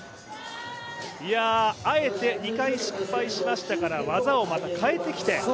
あえて２回失敗しましたから技をまた変えてきて。